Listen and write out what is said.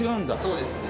そうですね。